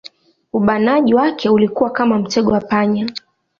Ubanaji wake ulikuwa kama mtego wa panya